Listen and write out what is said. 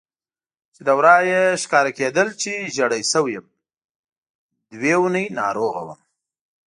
چې له ورایه ښکارېدل چې ژېړی شوی یم، دوه اونۍ ناروغ وم.